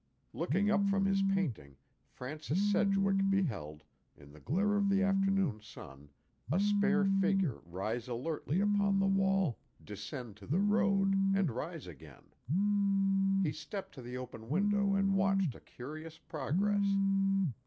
Looking up from his painting, Francis Sedgwick beheld, in the glare of the afternoon sun, a spare figure rise alertly upon the wall, descend to the road, and rise again. He stepped to the open window and watched a curious progress.